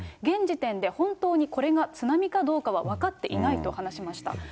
現時点で本当にこれが津波かどうかは分かっていないと話しました。